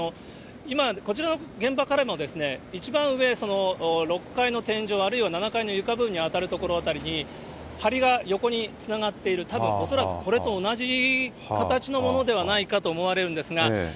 今、こちらの現場からの一番上、６階の天井、あるいは７階の床部分に当たる所に、はりが横につながっている、たぶん恐らくこれと同じ形のものではないかと思われるんですが。